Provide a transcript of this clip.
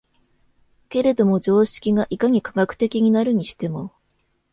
けれども常識がいかに科学的になるにしても、